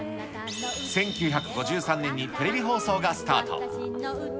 １９５３年にテレビ放送がスタート。